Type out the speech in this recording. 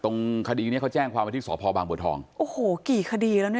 ตรงคดีเนี่ยเขาจ้งเจ้าความว่าที่สพเรากำถึงบ่ามาก